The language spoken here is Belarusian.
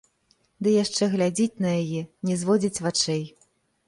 Ды яшчэ глядзіць на яе, не зводзіць вачэй.